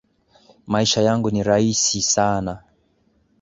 Maisha yangu ni rahisi sana